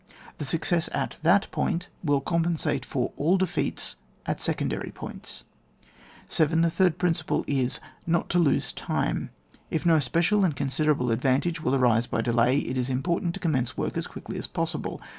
The success at that point will compensate for all defeats at secon dary points. 7. The third principle is : not to lose time. If no special and considerable advantage will arise by delay, it is impor tant to commence work as quickly as possible.